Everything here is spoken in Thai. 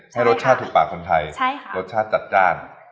ให้รสชาติถูกปากคนไทยรสชาติจัดจ้าน